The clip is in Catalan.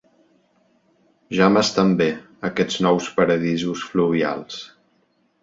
Ja m'estan bé, aquests nous paradisos fluvials.